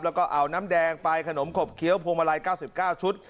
แล้วก็เอาน้ำแดงไปขนมขบเคี้ยวพวงมาลัย๙๙ชุด